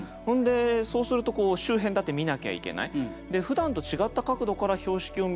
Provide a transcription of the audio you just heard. そうすると周辺だって見なきゃいけない。